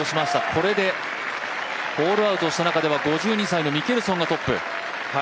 これでホールアウトした中では５２歳のミケルソンがトップ。